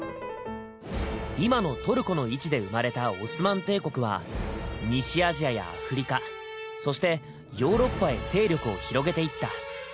今のトルコの位置で生まれた「オスマン帝国」は西アジアやアフリカそしてヨーロッパへ勢力を広げていった。